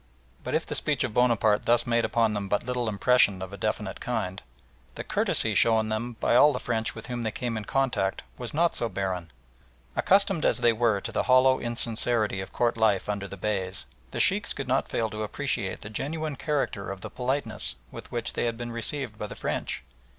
But if the speech of Bonaparte thus made upon them but little impression of a definite kind, the courtesy shown them by all the French with whom they came in contact was not so barren. Accustomed as they were to the hollow insincerity of Court life under the Beys, the Sheikhs could not fail to appreciate the genuine character of the politeness with which they had been received by the French.